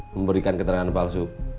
memberikan keterangan palsu